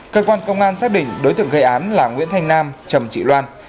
cơ quan công an xác định đối tượng gây án là nguyễn thanh nam chồng chị loan